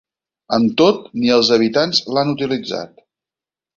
Amb tot, ni els habitants l'han utilitzat.